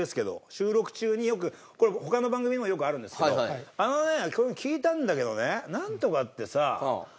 収録中によくこれ他の番組にもよくあるんですけど「あのね聞いたんだけどねなんとかってさあれらしいのよ」。